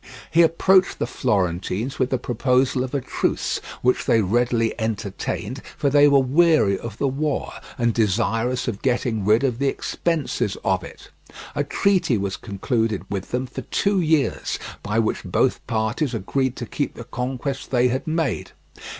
He approached the Florentines with the proposal of a truce, which they readily entertained, for they were weary of the war, and desirous of getting rid of the expenses of it. A treaty was concluded with them for two years, by which both parties agreed to keep the conquests they had made.